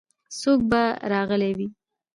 څوک به راغلي وي.